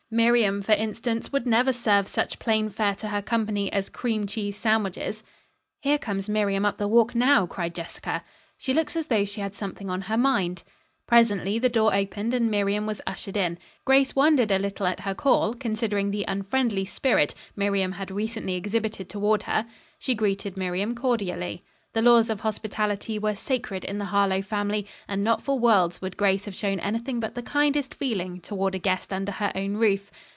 Miriam, for instance would never serve such plain fare to her company as cream cheese sandwiches." "Here comes Miriam up the walk now," cried Jessica. "She looks as though she had something on her mind." Presently the door opened and Miriam was ushered in. Grace wondered a little at her call, considering the unfriendly spirit Miriam had recently exhibited toward her. She greeted Miriam cordially. The laws of hospitality were sacred in the Harlowe family, and not for worlds would Grace have shown anything but the kindest feeling toward a guest under her own roof.